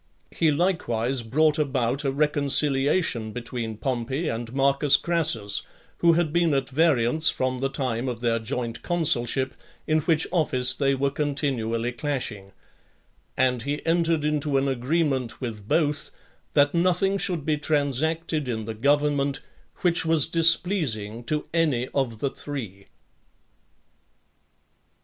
He likewise brought about a reconciliation between Pompey and Marcus Crassus, who had been at variance from (13) the time of their joint consulship, in which office they were continually clashing; and he entered into an agreement with both, that nothing should be transacted in the government, which was displeasing to any of the three.